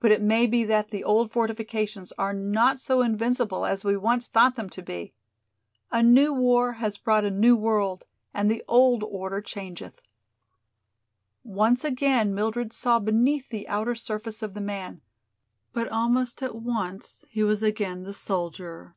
But it may be that the old fortifications are not so invincible as we once thought them to be. A new war has brought a new world and the old order changeth." Once again Mildred saw beneath the outer surface of the man, but almost at once he was again the soldier.